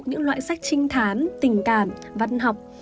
những loại sách trinh thán tình cảm văn học